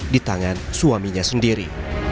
di tangan suaminya sendiri